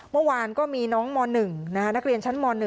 เมื่อวานก็มีน้องม๑นักเรียนชั้นม๑